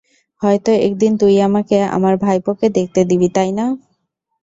হয়তো একদিন, তুই আমাকে আমার ভাইপোকে দেখতে দিবি, তাই না?